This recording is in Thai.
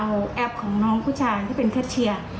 เอาแอปของน้องผู้ชายที่เป็นแคทเชียร์